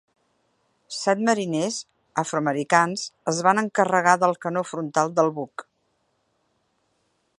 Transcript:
Set mariners afroamericans es van encarregar del canó frontal del buc.